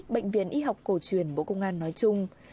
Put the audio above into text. bệnh viện y học cổ truyền bộ công an nói chung